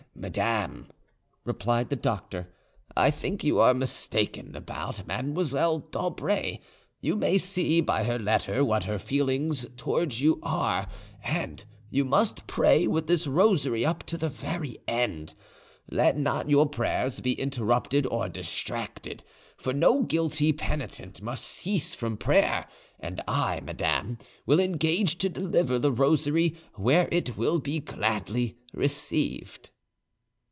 "Madame," replied the doctor, "I think you are mistaken about Mlle, d'Aubray. You may see by her letter what are her feelings towards you, and you must pray with this rosary up to the very end. Let not your prayers be interrupted or distracted, for no guilty penitent must cease from prayer; and I, madame, will engage to deliver the rosary where it will be gladly received."